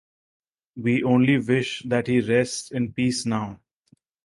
We only wish that he rests in peace now.